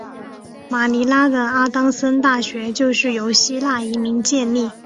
马尼拉的阿当森大学就是由希腊移民建立。